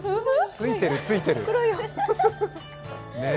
ついてる、ついてる。